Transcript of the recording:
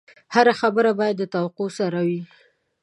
هره خبره باید د موقع سره وي.